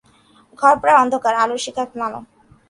ঘর প্রায় অন্ধকার, আলোর শিখা ম্লান।